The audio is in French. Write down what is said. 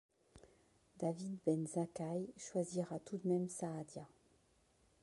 David ben Zakkaï choisira tout de même Saadia.